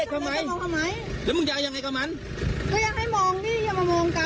มีคลิปออกมาซึ่งเชื่อว่าคนคุณผู้ชมไปดูคลิปที่เกิดเหตุกันก่อนค่ะ